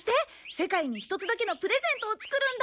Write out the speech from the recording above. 世界に一つだけのプレゼントを作るんだ！